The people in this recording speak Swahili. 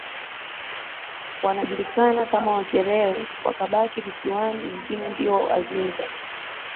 wanajulikana kama Wakerewe wakabaki visiwani wengine ndio Wazinza